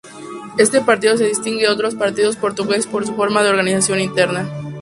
Este partido se distingue de otros partidos portugueses por su forma de organización interna.